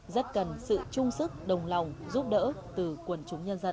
rất cần sự trung sức đồng lòng giúp đỡ từ quần chúng nhân dân